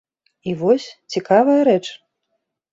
І вось цікавая рэч.